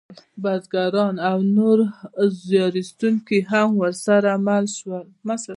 بزګران او نور زیار ایستونکي هم ورسره مل شول.